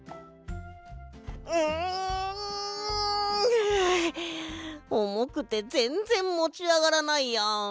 はあおもくてぜんぜんもちあがらないや。